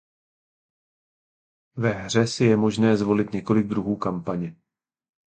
Ve hře si je možné zvolit několik druhů kampaně.